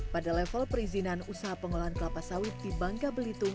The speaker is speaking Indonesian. pada level perizinan usaha pengolahan kelapa sawit di bangka belitung